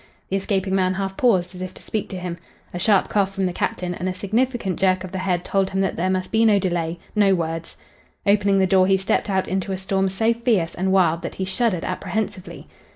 The escaping man half paused as if to speak to him. A sharp cough from the Captain and a significant jerk of the head told him that there must be no delay, no words. Opening the door he stepped out into a storm so fierce and wild that he shuddered apprehensively.